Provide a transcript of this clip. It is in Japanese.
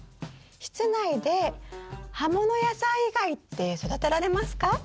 室内で葉物野菜以外って育てられますか？